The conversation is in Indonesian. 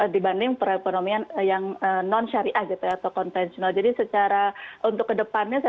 dibanding perekonomian yang non syariah gitu ya atau konvensional jadi secara untuk kedepannya saya